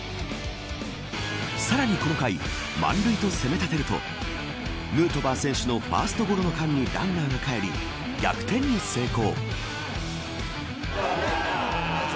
さらに、この回満塁と攻め立てるとヌートバー選手のファーストゴロの間にランナーがかえり逆転に成功。